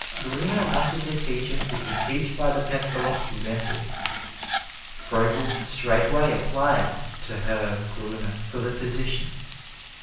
Gruner wanted a teacher who could teach by the Pestalozzi methods. Froebel straightway applied to Herr Gruner for the position.